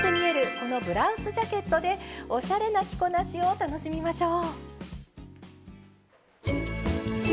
このブラウスジャケットでおしゃれな着こなしを楽しみましょう。